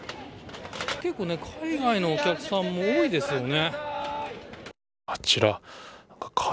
結構、海外のお客さんも多いですよね。